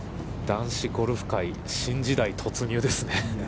男子ゴルフ界、新時代突入ですね。